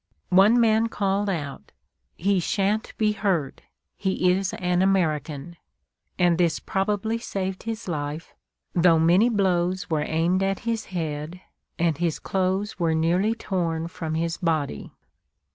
One man called out, "He shan't be hurt; he is an American!" and this probably saved his life, though many blows were aimed at his head, and his clothes were nearly torn from his body.